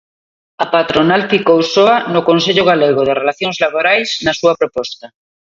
A patronal ficou soa no Consello Galego de Relacións Laborais na súa proposta.